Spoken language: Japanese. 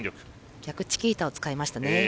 逆チキータを使いました。